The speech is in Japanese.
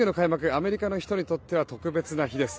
アメリカの人にとっては特別な日です。